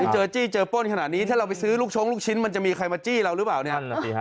เจอจี้เจอป้นขนาดนี้ถ้าเราไปซื้อลูกชงลูกชิ้นมันจะมีใครมาจี้เราหรือเปล่าเนี่ย